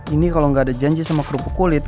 ini kalo gak ada janji sama kerupuk kulit